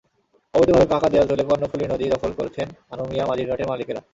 অবৈধভাবে পাকা দেয়াল তুলে কর্ণফুলী নদী দখল করছেন আনু মিঞা মাঝিরঘাটের মালিকেরা।